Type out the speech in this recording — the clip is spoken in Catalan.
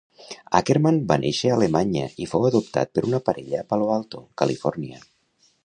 Ackerman va néixer a Alemanya i fou adoptat per una parella a Palo Alto, Califòrnia.